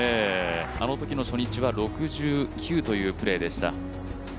あのときの初日は６９というプレーでした。